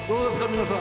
皆さん。